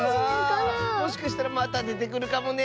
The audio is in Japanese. もしかしたらまたでてくるかもね。